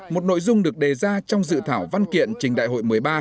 một nội dung được đề ra trong dự thảo văn kiện trình đại hội một mươi ba